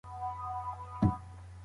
که درسونه منظم وي، ګډوډي نه رامنځته کيږي.